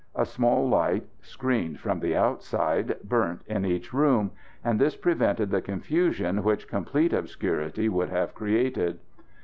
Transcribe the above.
A small light, screened from the outside, burnt in each room, and this prevented the confusion which complete obscurity would have created.